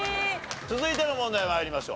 続いての問題参りましょう。